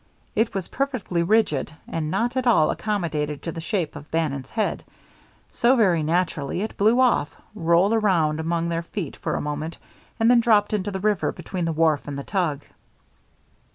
It was perfectly rigid, and not at all accommodated to the shape of Bannon's head. So, very naturally, it blew off, rolled around among their feet for a moment, and then dropped into the river between the wharf and the tug.